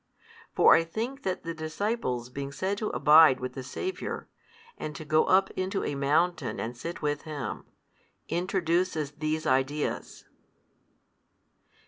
For I think that the disciples being said to abide with the Saviour, and to go up into a mountain and sit with Him, introduces these ideas.